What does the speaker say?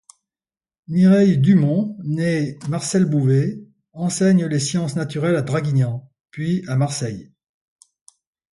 Mireille Dumont, née Marcelle Bouvet, enseigne les sciences naturelles à Draguignan, puis à Marseille.